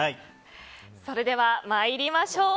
それでは参りましょう。